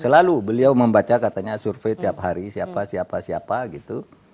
selalu beliau membaca katanya survei tiap hari siapa siapa gitu